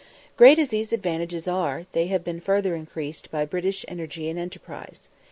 Great as these adventitious advantages are, they have been further increased by British energy and enterprise.